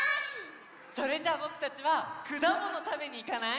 それじゃあぼくたちはくだものたべにいかない？